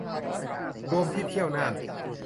รวมที่เที่ยวน่าน